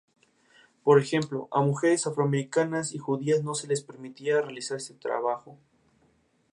Por ejemplo, a mujeres afroamericanas y judías no se les permitía realizar este trabajo.